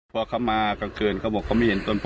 พอเขามากลางคืนเขาบอกเขาไม่เห็นต้นโพ